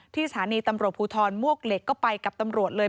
สถานีตำรวจภูทรมวกเหล็กก็ไปกับตำรวจเลย